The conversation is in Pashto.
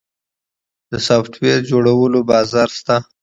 د سافټویر جوړولو بازار شته؟